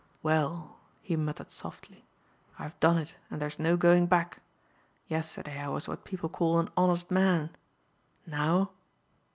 "Well," he muttered softly, "I've done it and there's no going back. Yesterday I was what people call an honest man. Now